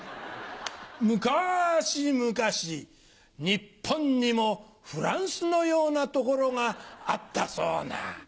日本にもフランスのような所があったそうな。